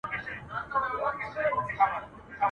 خدایه عمر مي تر جار کړې زه د ده په نوم ښاغلی ..